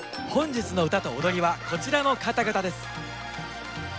本日の唄と踊りはこちらの方々です。